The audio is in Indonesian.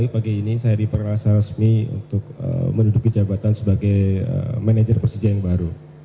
bp menunjukkan sebagai manajer persija yang baru